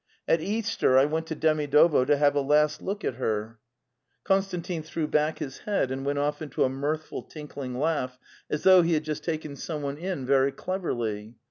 At Easter I went to Demidovo to have a lastilook (athens. vy Konstantin threw back his head and went off into a mirthful tinkling laugh, as though he had just taken someone in very cleverly.